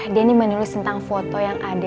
denny menulis tentang foto yang ada